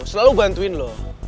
selalu bantuin lo